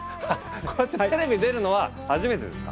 こうやってテレビに出るのは初めてですか？